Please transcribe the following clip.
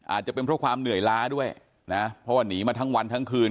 อาจจะเป็นเพราะความเหนื่อยล้าด้วยนะเพราะว่าหนีมาทั้งวันทั้งคืน